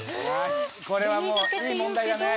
これはもういい問題だね。